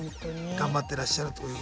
頑張ってらっしゃるということで。